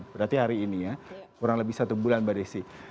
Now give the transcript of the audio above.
berarti hari ini ya kurang lebih satu bulan mbak desi